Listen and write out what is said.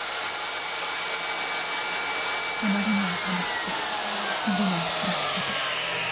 「あまりにあさましく見るのもつらきこと。